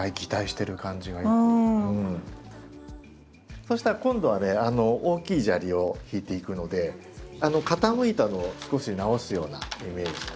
そうしたら今度はね大きい砂利をひいていくので傾いたのを少し直すようなイメージで。